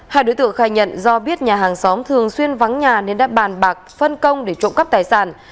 hai đối tượng khai nhận do biết nhà hàng xóm thường xuyên vắng nhà nên đã bàn bạc phân công để trộm cắp tài sản